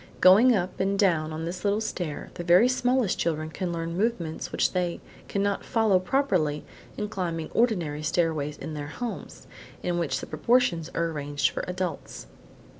Going up and down on this little stair, the very smallest children can learn movements which they cannot follow properly in climbing ordinary stairways in their homes, in which the proportions are arranged for adults.